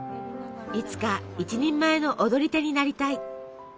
いつか一人前の踊り手になりたい。